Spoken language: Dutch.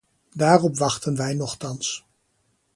Daarop wachten wij nochtans.